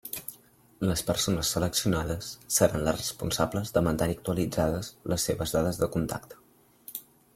Les persones seleccionades seran les responsables de mantenir actualitzades les seves dades de contacte.